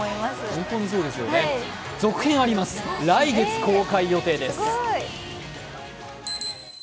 本当にそうですね、続編あります、来月公開予定です。